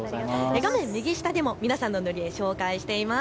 画面右下でも皆さんの塗り絵、紹介しています。